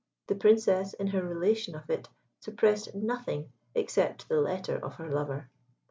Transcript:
The Princess, in her relation of it, suppressed nothing except the letter of her lover.